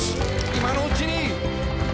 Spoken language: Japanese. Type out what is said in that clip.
今のうちに」